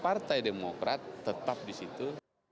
partai demokrat tetap di situ